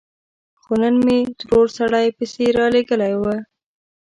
خو نن مې ترور سړی پسې رالېږلی و.